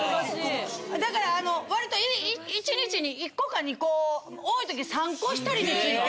だから割と１日に１個か２個多いとき３個１人で。